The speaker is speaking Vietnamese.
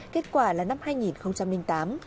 kết quả là năm hai nghìn tám